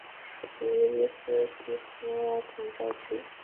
属茹伊斯迪福拉总教区。